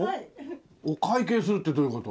お会計するってどういう事？